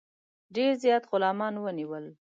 ډېر زیات غلامان ونیول.